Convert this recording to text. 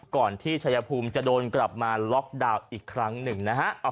ที่ชายภูมิจะโดนกลับมาล็อกดาวน์อีกครั้งหนึ่งนะฮะ